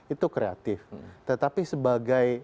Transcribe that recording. itu kreatif tetapi sebagai